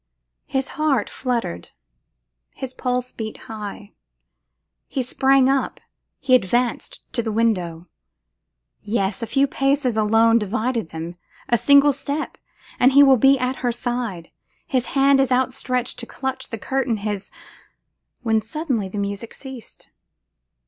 His heart fluttered, his pulse beat high, he sprang up, he advanced to the window! Yes! a few paces alone divide them: a single step and he will be at her side. His hand is outstretched to clutch the curtain, his , when suddenly the music ceased.